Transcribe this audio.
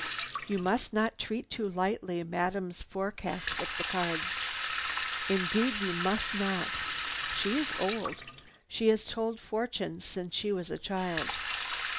"You must not treat too lightly Madame's forecast with the cards. Indeed you must not! She is old. She has told fortunes since she was a child.